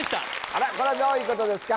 あらこれはどういうことですか？